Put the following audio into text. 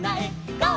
「ゴー！